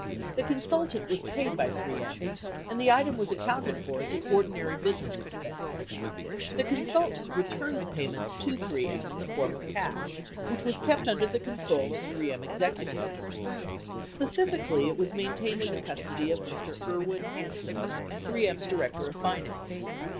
The consultant was paid by 3 M, and the item was accounted for as an ordinary business expense. The consultant returned the payments to 3 M in the form of cash which was kept under the control of 3 M executives. Specifi cally, it was maintained in the custody of Mr. Irwin Hansen, 3 M's Director of Finance.